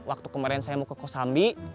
waktu kemarin saya mau ke kosambi